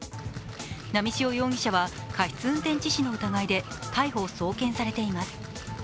波汐容疑者は過失運転致死の疑いで逮捕・送検されています。